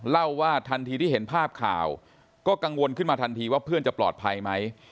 เล่าว่าทันทีที่เห็นภาพข่าวก็กังวลขึ้นมาทันทีว่าเพื่อนจะปลอดภัยไหม